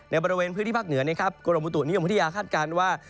บริเวณพื้นที่ภาคเหนือนะครับกรมอุตุนิยมพัทยาคาดการณ์ว่า